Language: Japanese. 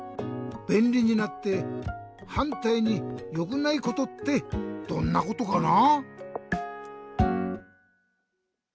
べんりになってはんたいによくないことってどんなことかな？